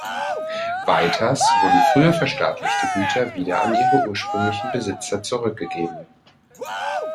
Weiters wurden früher verstaatlichte Güter wieder an ihre ursprünglichen Besitzer zurückgegeben.